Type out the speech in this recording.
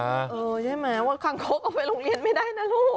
ใช่ไหมว่าคังคกเอาไปโรงเรียนไม่ได้นะลูก